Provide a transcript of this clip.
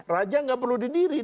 raja gak perlu didiri